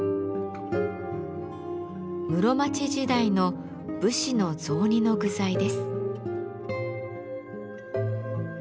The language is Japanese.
室町時代の武士の雑煮の具材です。